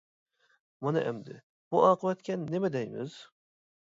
مانا ئەمدى بۇ ئاقىۋەتكە نېمە دەيمىز.